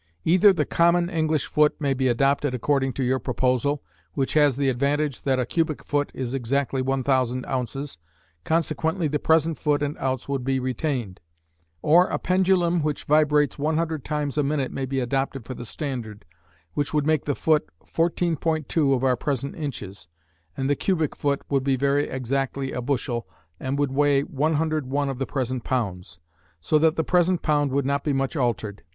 Either the common English foot may be adopted according to your proposal, which has the advantage that a cubic foot is exactly 1,000 ounces, consequently the present foot and ounce would be retained; or a pendulum which vibrates 100 times a minute may be adopted for the standard, which would make the foot 14.2 of our present inches, and the cubic foot would be very exactly a bushel, and would weigh 101 of the present pounds, so that the present pound would not be much altered.